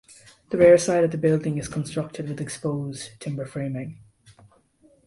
The rear side of the building is constructed with exposed timber framing.